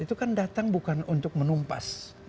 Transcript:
bukan untuk menumpas